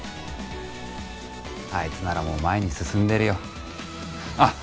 あいつならもう前に進んでるよあっ